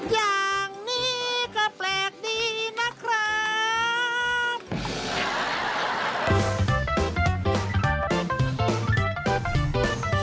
อย่างนี้ก็แปลกดีนะครับ